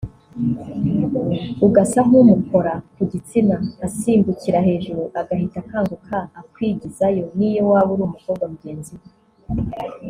ugasa nk’umukora ku gitsina asimbukira hejuru agahita akanguka akwigizayo niyo waba uri umukobwa mugenzi we